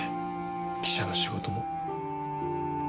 記者の仕事も。